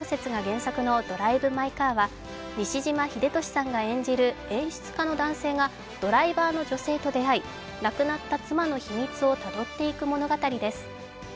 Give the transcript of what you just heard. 村上春樹さんの短編小説が原作の「ドライブ・マイ・カー」は西島秀俊さんが演じる演出家の男性がドライバーの女性と出会い、亡くなった妻の秘密をたどっていく物語です。